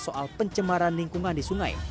soal pencemaran lingkungan di sungai